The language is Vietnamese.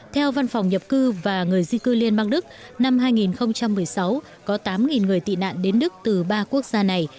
theo văn phòng nhập cư và người di cư liên bang đức năm hai nghìn một mươi sáu có tám người tị nạn đến đức từ ba quốc gia này